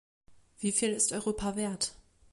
Wie viel ist Europa wert?